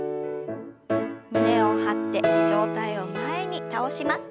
胸を張って上体を前に倒します。